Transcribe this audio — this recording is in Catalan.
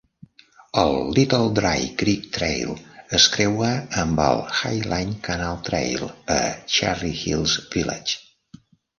El Little Dry Creek Trail es creua amb el Highline Canal Trail a Cherry Hills Village.